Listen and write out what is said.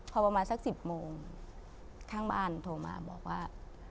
พอประมาณสัก๑๐โมงข้างบ้านโทรมาบอกว่า